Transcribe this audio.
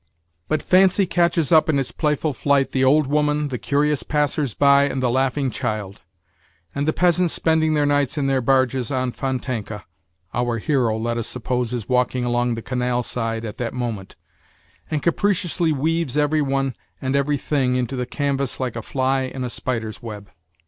But fancy catches up in its playful flight the old woman, the curious passers by, and the laughing child, and the peasants spending their nights in their barges on Fontanka (our hero, let us suppose, is walking along the canal side at that moment), and capriciously weaves every one and everything into the canvas like a fly in a spider's web.